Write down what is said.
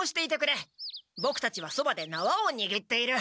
ボクたちはそばでなわをにぎっている。